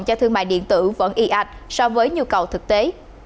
cho thương mại điện tử vẫn ị ạch so với nhu cầu thực tế